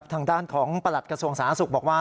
ทางด้านของประหลัดกระทรวงสาธารณสุขบอกว่า